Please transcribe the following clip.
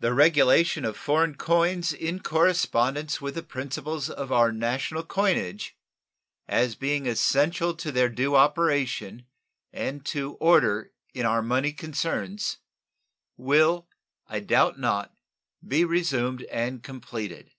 The regulation of foreign coins in correspondency with the principles of our national coinage, as being essential to their due operation and to order in our money concerns, will, I doubt not, be resumed and completed.